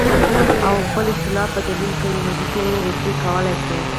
او خپل اختلاف پۀ دليل کوي نو دلته ئې ريفر کولے شئ